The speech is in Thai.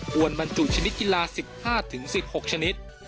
บรรจุชนิดกีฬา๑๕๑๖ชนิด